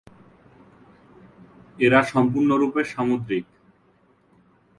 এরা সম্পূর্ণরূপে সামুদ্রিক।